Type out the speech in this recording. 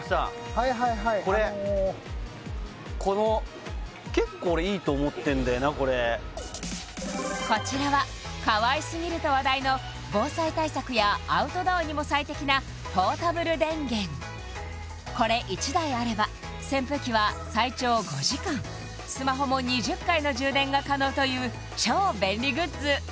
はいはいはいこれこの俺これこちらはかわいすぎると話題の防災対策やアウトドアにも最適なポータブル電源これ１台あれば扇風機は最長５時間スマホも２０回の充電が可能という超便利グッズ